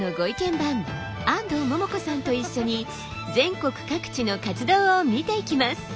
番安藤桃子さんと一緒に全国各地の活動を見ていきます。